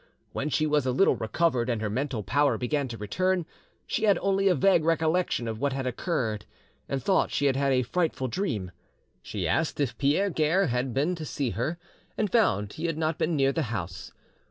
When she was a little recovered and her mental power began to return, she had only a vague recollection of what had occurred, and thought she had had a frightful dream. She asked if Pierre Guerre had been to see her, and found he had not been near the house.